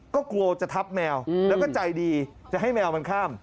ก็กลัวจะทับแมวแล้วก็ใจดีจะให้แมวมันข้าม